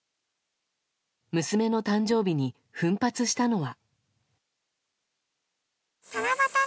娘の誕生日に奮発したのは。